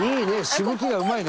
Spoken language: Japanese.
しぶきがうまいね。